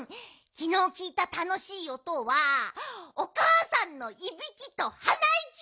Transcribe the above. きのうきいたたのしいおとはおかあさんのいびきとはないき！